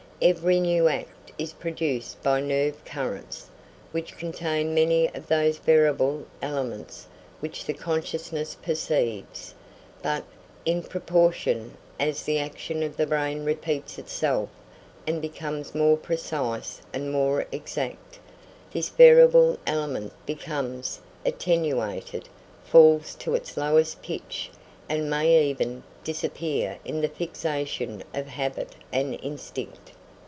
Every new act is produced by nerve currents, which contain many of those variable elements which the consciousness perceives; but, in proportion as the action of the brain repeats itself and becomes more precise and more exact, this variable element becomes attenuated, falls to its lowest pitch, and may even disappear in the fixation of habit and instinct.